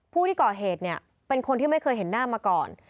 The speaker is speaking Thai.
ผู้ที่ก่อเหตุเนี่ยเป็นคนที่ไม่เคยเห็นหน้ามาก่อน